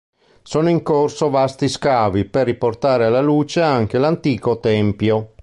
Sono in corso vasti scavi per riportare alla luce anche l'antico tempio.